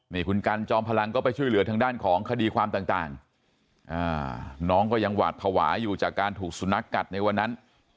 นี่คุณกันจอมพลังก็ไปช่วยเหลือทางด้านของคดีความต่างน้องก็ยังหวาดภาวะอยู่จากการถูกสุนัขกัดในวันนั้น